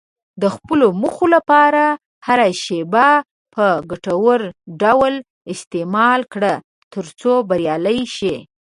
د خپلو موخو لپاره هره شېبه په ګټور ډول استعمال کړه، ترڅو بریالی شې.